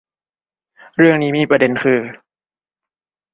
เรื่องนี้มีประเด็นคือ